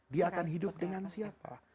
dia akan hidup dengan siapa